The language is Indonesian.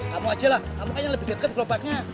kamu aja lah kamu kan yang lebih deket robaknya